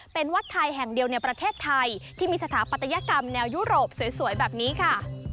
เป็นวัดไทยแห่งเดียวในประเทศไทยที่มีสถาปัตยกรรมแนวยุโรปสวยแบบนี้ค่ะ